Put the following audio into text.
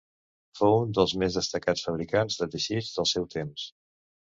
Fou un dels més destacats fabricants de teixits del seu temps.